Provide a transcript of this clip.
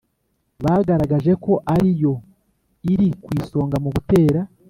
bagaragaje ko ariyo iri ku isonga mu gutera